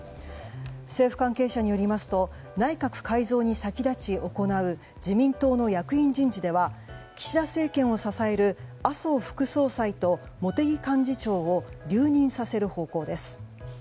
政府関係者によりますと内閣改造に先立ち行う自民党の役員人事では岸田政権を支える麻生副総裁と茂木幹事長を留任させる方向です。